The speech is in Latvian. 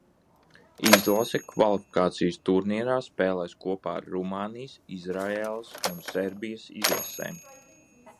Izlase kvalifikācijas turnīrā spēlēs kopā ar Rumānijas, Izraēlas un Serbijas izlasēm.